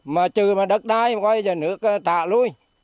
mà trừ mà đất đai quay là nước trả lui